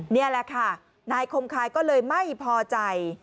นี่แหละค่ะนายคมคายก็เลยไม่พอใจ